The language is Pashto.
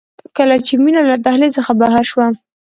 کله چې مينه له دهلېز څخه بهر شوه.